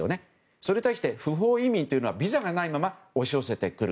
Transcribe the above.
それに対して、不法移民はビザがないまま押し寄せてくる。